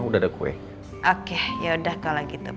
oke yaudah kalau gitu